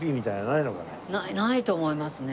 ないと思いますね。